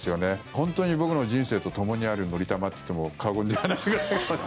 本当に僕の人生とともにある「のりたま」と言っても過言ではないぐらいの。